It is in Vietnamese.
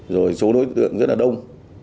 rồi số đối tượng rất là đông